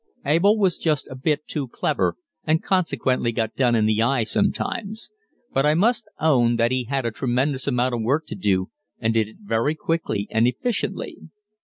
Abel was just a bit too clever, and consequently got done in the eye sometimes; but I must own that he had a tremendous amount of work to do and did it very quickly and efficiently.